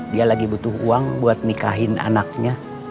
dia lagi butuh uang buat nikahin anaknya